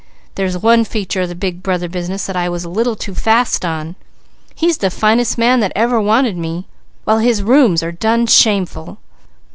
There's one feature of the Big Brother business that I was a little too fast on. He's the finest man that ever wanted me, while his rooms are done shameful.